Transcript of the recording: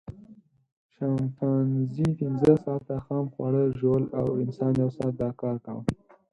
شامپانزي پینځه ساعته خام خواړه ژوول او انسان یو ساعت دا کار کاوه.